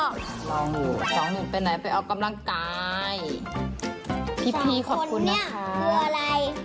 สองหนึ่งไปไหนไปออกกำลังกายพี่ขอบคุณนะคะสองคนเนี้ยคืออะไร